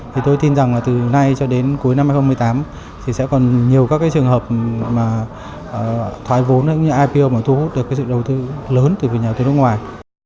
thì tôi tin rằng là từ nay cho đến cuối năm hai nghìn một mươi tám thì sẽ còn nhiều các cái trường hợp mà thoái vốn hay ipo mà thu hút được cái sự đầu tư lớn từ nhà tư nước ngoài